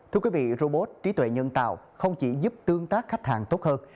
thưa quý vị robot trí tuệ nhân tạo không chỉ giúp tương tác khách hàng tốt hơn